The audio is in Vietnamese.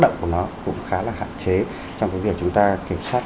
nó cũng khá là hạn chế trong cái việc chúng ta kiểm soát